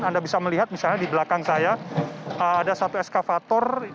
anda bisa melihat misalnya di belakang saya ada satu eskavator